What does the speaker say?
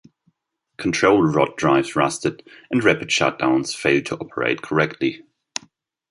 Control rod drives rusted, and rapid shutdowns failed to operate correctly.